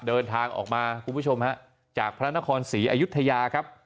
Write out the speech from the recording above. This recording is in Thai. เดินทางออกมาคุณผู้ชมฮะจากพระนครศรีอยุธยาครับ